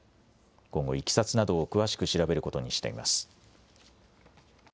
今後、いきさつなどを詳しく調べることにしています。